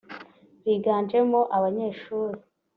Biganjemo abanyeshuri